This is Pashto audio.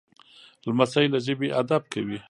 لمسی له ژبې ادب کوي.